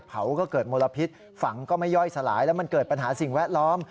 เผาก็เกิดมลพิษฝังก็ไม่ย่อยสลายแล้วมันเกิดปัญหาสิ่งแวดล้อม